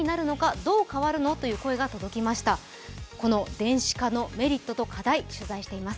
電子化のメリットと課題、取材しています。